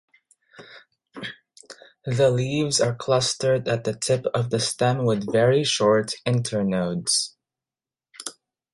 The leaves are clustered at the tip of the stem with very short internodes.